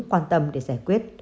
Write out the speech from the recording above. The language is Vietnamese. quan tâm để giải quyết